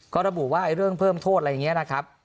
ก็ระบุว่าเรื่องเพิ่มโทษอะไรอย่างนี้นะครับ